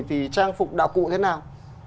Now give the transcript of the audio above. thì trang phục đạo cụ thế nào